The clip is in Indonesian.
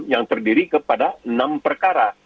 yang terdiri kepada enam perkara